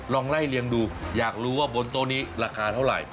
ลองไล่เลี้ยงดูอยากรู้ว่าบนโต๊ะนี้ราคาเท่าไหร่